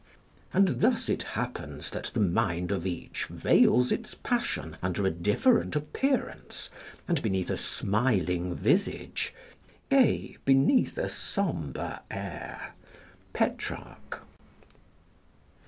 ["And thus it happens that the mind of each veils its passion under a different appearance, and beneath a smiling visage, gay beneath a sombre air." Petrarch.